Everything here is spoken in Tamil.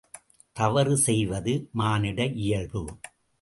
தவறு செய்வது மானிட இயல்பு.